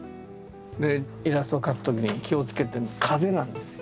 イラストを描くときに気をつけてるのが「風」なんですよ。